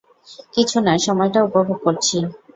কিছু না, সময়টা উপভোগ করছি।